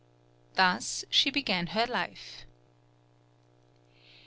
Thus she began her life.